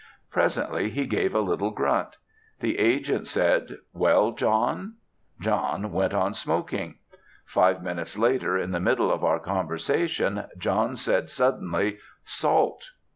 Presently he gave a little grunt. The agent said, "Well, John?" John went on smoking. Five minutes later, in the middle of our conversation, John said suddenly, "Salt."